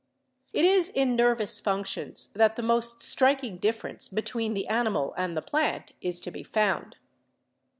It is in nervous functions that the most striking differ n6 BIOLOGY ence between the animal and the plant is to be found.